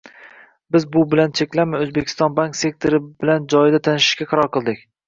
Biz bu bilan cheklanmay, O'zbekiston bank sektori bilan joyida tanishishga qaror qildik